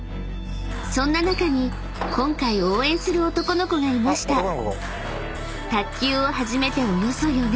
［そんな中に今回応援する男の子がいました］